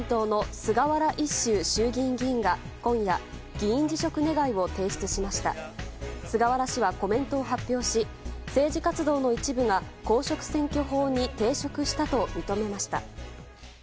菅原氏は、コメントを発表し政治活動の一部が公職選挙法に抵触したと認めました。